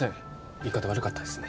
言い方悪かったですね